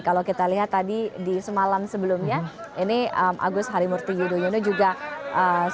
kalau kita lihat tadi di semalam sebelumnya ini agus harimurti yudhoyono juga sempat